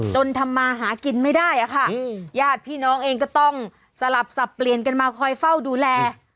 ทำมาหากินไม่ได้อะค่ะญาติพี่น้องเองก็ต้องสลับสับเปลี่ยนกันมาคอยเฝ้าดูแล